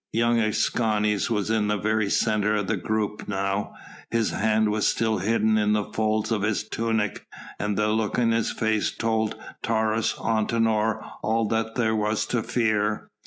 Young Escanes was in the very centre of the group now, his hand was still hidden in the folds of his tunic and the look in his face told Taurus Antinor all that there was to fear.